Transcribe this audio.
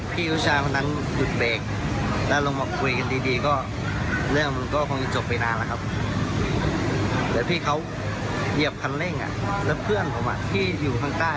ที่พวกนั้นเข้ามาขอบความส่งทุกข์